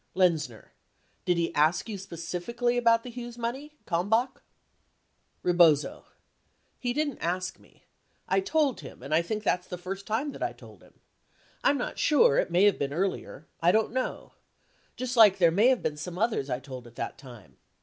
Lenzner. Did he ask you specifically about the Hughes money? Kalmbach? Rebozo. He didn't ask me. I told him and I think that's the first time that I told him. I'm not sure, it may have been earlier. I don't know. Just like there may have been some others I told at that time.